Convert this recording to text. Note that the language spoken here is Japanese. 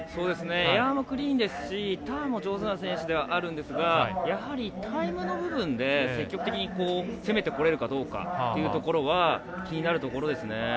エアもクリーンですしターンも上手な選手ではあるんですがやはり、タイムの部分で積極的に攻めてこれるかどうかというところは気になるところですね。